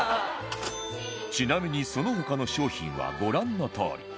ちなみにその他の商品はご覧のとおり